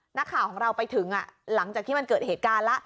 นักข่าวของเราไปถึงหลังจากที่มันเกิดเหตุการณ์แล้ว